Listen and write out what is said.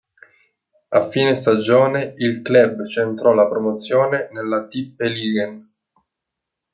A fine stagione, il club centrò la promozione nella Tippeligaen.